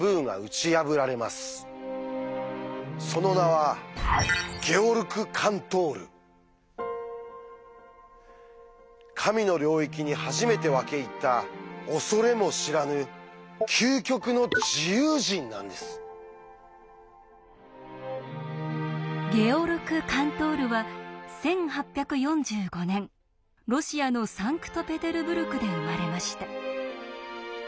その名は神の領域に初めて分け入った恐れも知らぬ「究極の自由人」なんです。ゲオルク・カントールは１８４５年ロシアのサンクトペテルブルクで生まれました。